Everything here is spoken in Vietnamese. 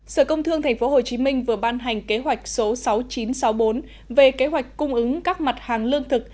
sở công thương tp hcm vừa ban hành kế hoạch số sáu nghìn chín trăm sáu mươi bốn về kế hoạch cung ứng các mặt hàng lương thực